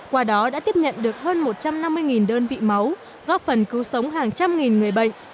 qua đó đã tiếp nhận được hơn một trăm năm mươi đơn vị máu góp phần cứu sống hàng trăm nghìn người bệnh